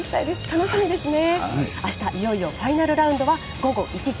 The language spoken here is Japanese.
楽しみですね。